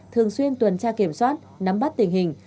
thường xuyên tuần tra kiểm soát nắm bắt tình hình